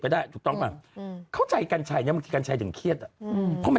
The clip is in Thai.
อย่างคุณตอนนี้ทุกวันยังมีโอกาส